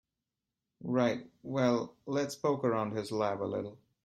Right, well let's poke around his lab a little.